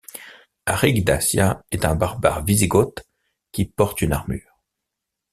Aric Dacia est un barbare Wisigoth qui porte une armure.